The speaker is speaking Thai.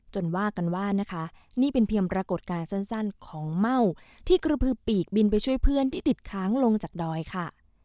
ว่ากันว่านะคะนี่เป็นเพียงปรากฏการณ์สั้นของเม่าที่กระพือปีกบินไปช่วยเพื่อนที่ติดค้างลงจากดอยค่ะ